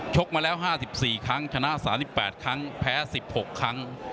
กมาแล้ว๕๔ครั้งชนะ๓๘ครั้งแพ้๑๖ครั้ง